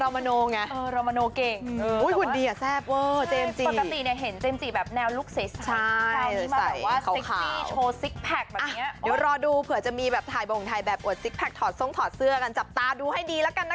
ไม่ว่าจะเป็นเพื่อนผู้ชายหรือผู้หญิง